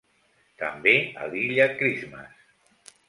També a l'Illa Christmas.